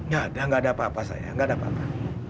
gak ada gak ada apa apa sayang gak ada apa apa